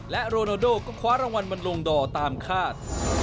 และโรนาโดก็คว้ารางวัลบรรลงดอร์ตามคาด